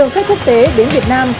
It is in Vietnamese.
các quốc tế đến việt nam